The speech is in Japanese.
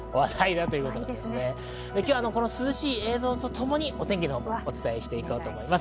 今日は、この涼しい映像とともにお天気をお伝えしていきます。